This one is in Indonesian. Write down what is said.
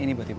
ini buat ibu